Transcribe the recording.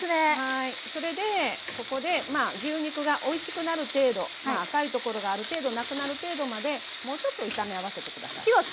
それでここで牛肉がおいしくなる程度赤いところがある程度なくなる程度までもうちょっと炒め合わせて下さい。